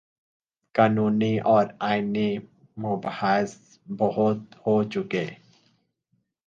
قانونی اور آئینی مباحث بہت ہو چکے۔